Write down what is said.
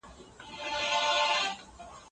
که انلاین درسونه وي نو تګ ته اړتیا نه وي.